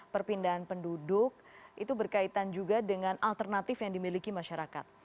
perpindahan penduduk itu berkaitan juga dengan alternatif yang dimiliki masyarakat